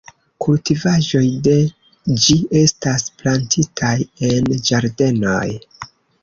Kultivaĵoj de ĝi estas plantitaj en ĝardenoj.